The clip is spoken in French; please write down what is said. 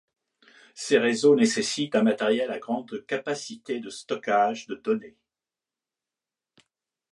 Ces réseaux nécessitent un matériel à grande capacité de stockage de données.